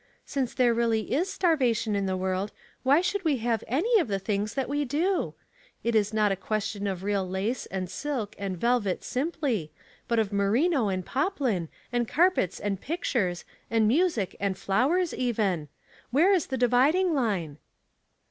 "Since there really i8 starvation in the w^orld, why should we have any of the things that we do? Ic is not a ques tion of real lace and silk and velvet simply, but of merino and popJin, and carpets and pictures, and music and flowers, even. Where is the dividing line